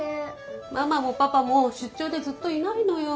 ママもパパもしゅっちょうでずっといないのよ。